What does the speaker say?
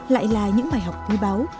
lại là những bài học tuy báu